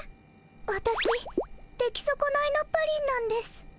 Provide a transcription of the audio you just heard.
わたし出来そこないのプリンなんです。